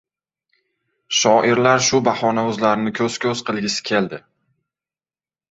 Shoirlar shu bahona o‘zlarini ko‘z-ko‘z qilgisi keddi.